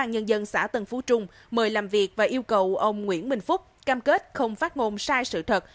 nhân dân xã tân phú trung mời làm việc và yêu cầu ông nguyễn minh phúc cam kết không phát ngôn sai sự thật